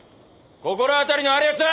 心当たりのあるやつ！